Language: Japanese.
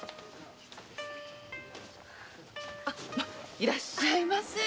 いらっしゃいませえ。